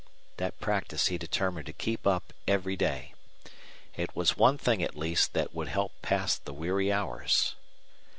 That practice he determined to keep up every day. It was one thing, at least, that would help pass the weary hours.